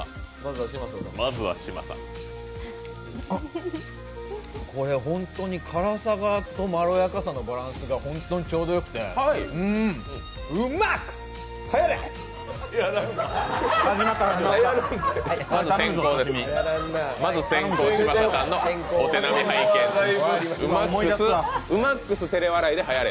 あっこれ、本当に辛さとまろやかさのバランスが本当にちょうどよくて、ウマックス！はやれ！